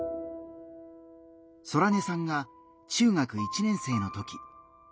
ソラネさんが中学１年生の時。